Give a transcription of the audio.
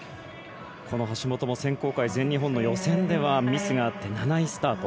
この橋本も選考会全日本の予選ではミスがあって７位スタート。